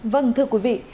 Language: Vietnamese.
vâng thưa quý vị